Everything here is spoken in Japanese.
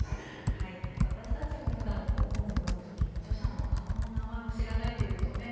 私たちもふだん、本を読む時に著者の顔も名前も知らないってことでね。